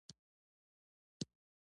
ملي ویاړ پخوا جهالت و.